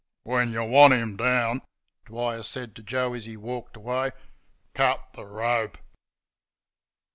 "When y' want 'im down," Dwyer said to Joe as he walked away, "cut the rope."